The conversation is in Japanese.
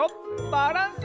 バランス！